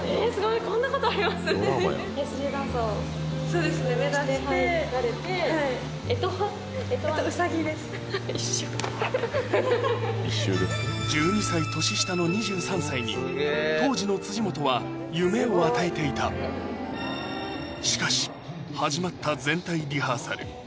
そうですね目指して一周ですね１２歳年下の２３歳に当時の辻元は夢を与えていたしかし始まった全体リハーサル